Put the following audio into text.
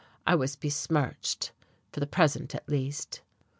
I was besmirched, for the present at least.